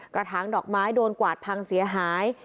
กระถางดอกไม้โดนกวาดพังเสียหาย